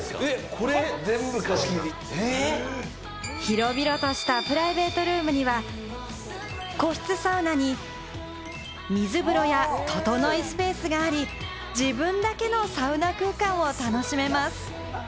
これ全部広々としたプライベートルームには個室サウナに水風呂やととのいスペースがあり、自分だけのサウナ空間を楽しめます。